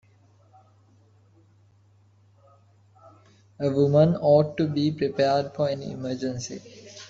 A woman ought to be prepared for any emergency.